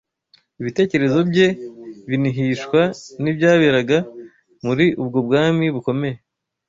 ibitekerezo bye binihishwa n’ibyaberaga muri ubwo bwami bukomeye